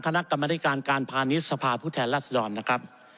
คณะกรรมนิการการพาณิชย์สภาพุทธแหละสดอลนะครับ